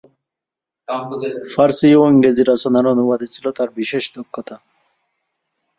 ফারসি ও ইংরেজি রচনার অনুবাদে ছিল তার বিশেষ দক্ষতা।